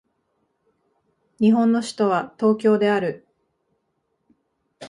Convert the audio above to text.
日本の首都は東京である